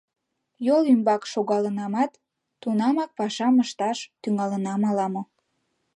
Йол ӱмбак шогалынамат, тунамак пашам ышташ тӱҥалынам ала-мо.